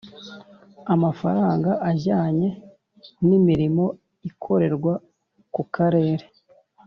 Amafaranga ajyanye n imirimo ikorerwa ku Karere